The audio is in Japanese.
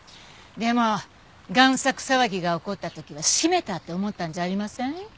でも贋作騒ぎが起こった時はしめたって思ったんじゃありません？